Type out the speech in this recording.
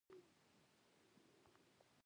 فلسفه له پوښتنې٬ پوښتنه وباسي.